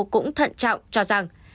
cũng thận trọng cho rằng